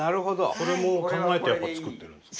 それも考えて作ってるんですか？